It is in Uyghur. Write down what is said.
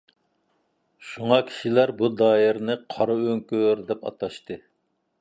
شۇڭا كىشىلەر بۇ دائىرىنى «قارا ئۆڭكۈر» دەپ ئاتاشتى.